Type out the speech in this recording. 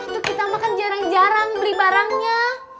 untuk kita makan jarang jarang beli barangnya